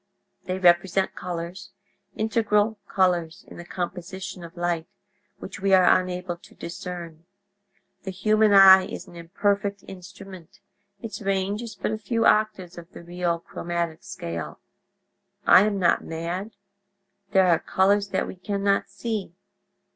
They represent colors—integral colors in the composition of light—which we are unable to discern. The human eye is an imperfect instrument; its range is but a few octaves of the real 'chromatic scale' I am not mad; there are colors that we can not see.